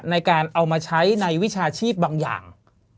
ในการเอามาใช้ในวิชาชีพบางอย่าง